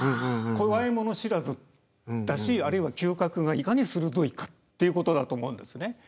怖いもの知らずだしあるいは嗅覚がいかに鋭いかっていうことだと思うんですね。